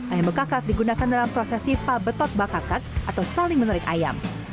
ayam bekakak digunakan dalam prosesi pabetot bekakak atau saling menarik ayam